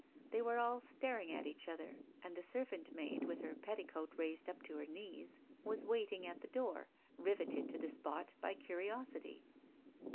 They were all staring at each other, and the servant maid, with her petticoat raised up to her knees, was waiting at the door, riveted to the spot by curiosity.